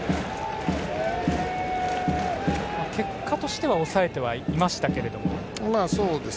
結果としては抑えてはいましたけれども。